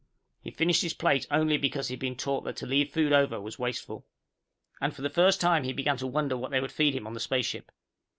He finished his plate only because he had been taught that to leave food over was wasteful. And for the first time he began to wonder what they would feed him on the spaceship.